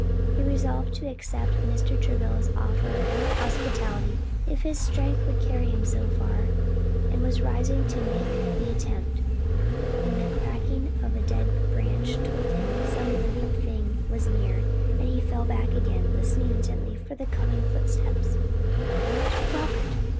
He resolved to accept Mr. Travilla's offered hospitality, if his strength would carry him so far, and was rising to make the attempt, when the cracking of a dead branch told him that some living thing was near, and he fell back again, listening intently for the coming footsteps. "Robert! Robert!"